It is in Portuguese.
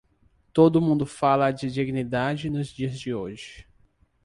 Todo mundo fala de dignidade nos dias de hoje.